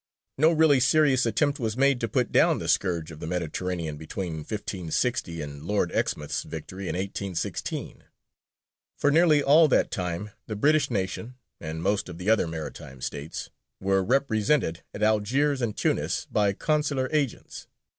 No really serious attempt was made to put down the scourge of the Mediterranean between 1560 and Lord Exmouth's victory in 1816. For nearly all that time the British nation, and most of the other maritime states, were represented at Algiers and Tunis by consular agents.